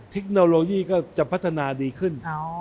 เทคโนโลยีก็จะพัฒนาดีขึ้น